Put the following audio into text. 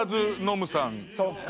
そっか。